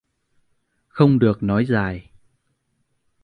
Không được nói dài